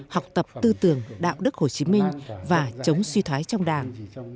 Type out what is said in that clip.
học tập tư tưởng đạo đức hồ chí minh và chống suy thoái trong đảng